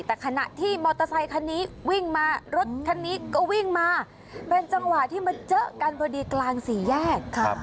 แต่ขณะที่มอเตอร์ไซคันนี้วิ่งมารถคันนี้ก็วิ่งมาเป็นจังหวะที่มาเจอกันพอดีกลางสี่แยก